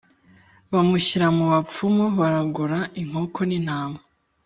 bamushyira mu bapfumu baragura inkoko n'intama.